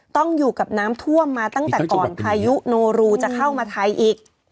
ต้องอยู่กับน้ำท่วมมาตั้งแต่ก่อนพายุโนรูจะเข้ามาไทยอีก